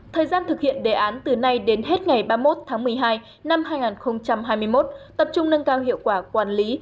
thời gian thực hiện đề án từ nay đến hết ngày ba mươi một tháng một mươi hai năm hai nghìn hai mươi một tập trung nâng cao hiệu quả quản lý